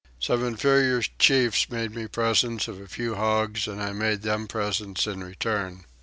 Some inferior chiefs made me presents of a few hogs and I made them presents in return.